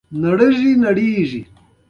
د خولې کنټرول نه لري.